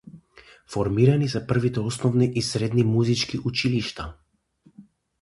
Формирани се првите основни и средни музички училишта.